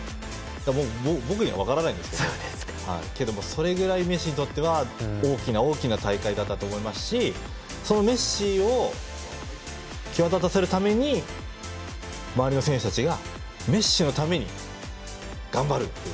僕には分からないんですけどそれぐらいメッシにとっては大きな大きな大会だったと思いますしそのメッシを際立たせるために周りの選手たちがメッシのために頑張るという。